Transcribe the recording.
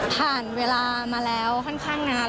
ผ่านเวลามาแล้วค่อนข้างนานแล้ว